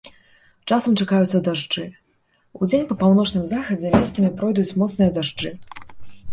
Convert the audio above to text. Часам чакаюцца дажджы, удзень па паўночным захадзе месцамі пройдуць моцныя дажджы.